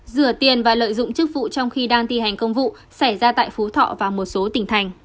rửa tiền và lợi dụng chức vụ trong khi đang thi hành công vụ xảy ra tại phú thọ và một số tỉnh thành